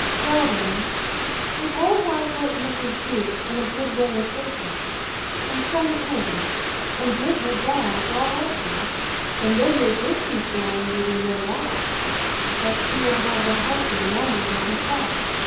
Well, then, suppose I put Mrs. Jewkes in a good way of business, in some inn, and give her John for a husband? And then your gipsy story will be made out, that she will have a husband younger than herself.